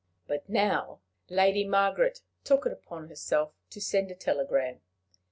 But now Lady Margaret took upon herself to send a telegram.